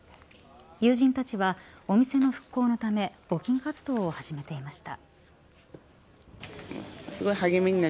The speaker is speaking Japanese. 友人たちはお店の復興のため募金活動を始めていました。